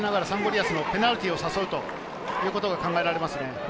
リアスのペナルティーを誘うということが考えられますね。